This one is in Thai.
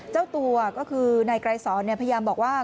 เจ้าตัวก็คือนายไกรสอนพยายามบอกว่า